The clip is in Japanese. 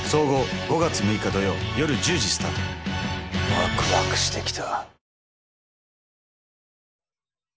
ワクワクしてきた。